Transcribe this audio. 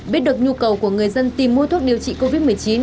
biết được nhu cầu của người dân tìm mua thuốc điều trị covid một mươi chín